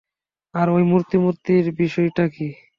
আর ঐ মূর্তি, মূর্তির বিষয়টা কী?